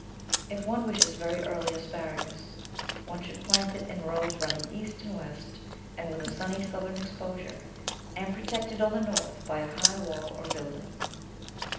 If one wishes very early asparagus, one should plant it in rows running east and west and with a sunny southern exposure and protected on the north by a high wall or building.